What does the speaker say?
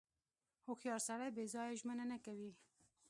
• هوښیار سړی بې ځایه ژمنه نه کوي.